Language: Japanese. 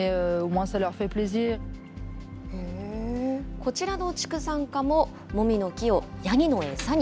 こちらの畜産家ももみの木をヤギの餌に。